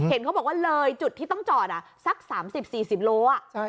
เห็นเขาบอกว่าเลยจุดที่ต้องจอดสัก๓๐๔๐โล